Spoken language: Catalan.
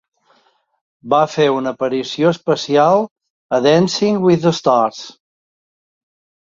Va fer una aparició especial a "Dancing With The Stars".